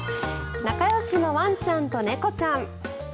仲よしの猫ちゃんとワンちゃん。